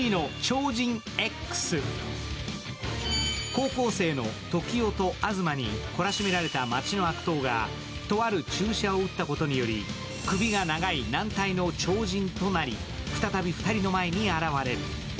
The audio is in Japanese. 高校生のトキオとアヅマにこらしめられた町の悪党がとある注射を打ったことにより、首がながい軟体の超人となり再び２人の前に現れる。